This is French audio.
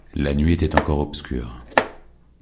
La nuit était encore obscure.